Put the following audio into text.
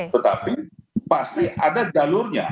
tetapi pasti ada jalurnya